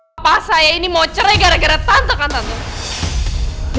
papa saya ini mau cerai gara gara tante kan tante